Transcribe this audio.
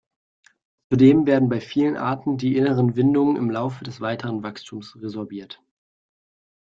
Zudem werden bei vielen Arten die inneren Windungen im Laufe des weiteren Wachstums resorbiert.